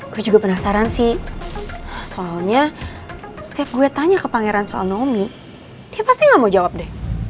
gue juga penasaran sih soalnya setiap gue tanya ke pangeran soal nomi dia pasti gak mau jawab deh